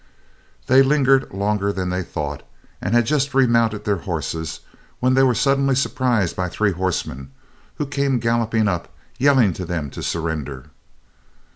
They lingered longer than they thought, and had just remounted their horses when they were suddenly surprised by three horsemen, who came galloping up, yelling to them to surrender.